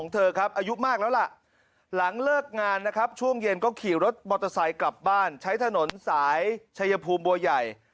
ตัวคนเริ่มมามันก็เริ่มปล่อย